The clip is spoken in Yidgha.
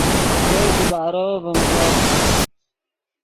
وئے دیبارو ڤیم ݱوت